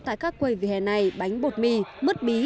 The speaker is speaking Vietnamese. tại các quầy vỉa hè này bánh bột mì mứt bí